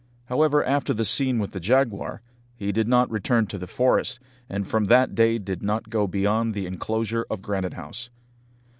However, after the scene with the jaguar, he did not return to the forest, and from that day did not go beyond the enclosure of Granite House.